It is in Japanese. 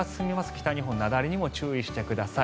北日本雪崩にも注意してください。